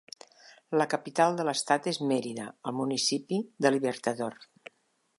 La capital de l'estat és Mérida, al municipi de Libertador.